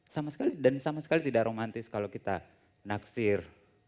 sama sekali dan sama sekali tidak romantis kalau kita naksir